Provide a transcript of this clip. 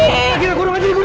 aduh gila gurung aja di gulung